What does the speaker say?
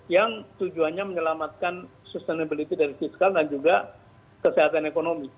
yang tujuannya menyelamatkan sustainability dari fiskal dan juga kesehatan ekonomi